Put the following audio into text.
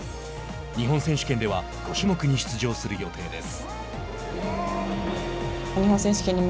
日本選手権では５種目に出場する予定です。